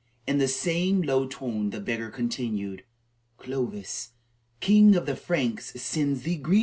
In the same low tone the beggar continued, "Clovis, King of the Franks, sends thee greeting."